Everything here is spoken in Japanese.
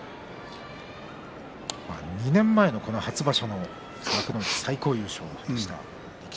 ２年前の初場所幕内最高優勝でした。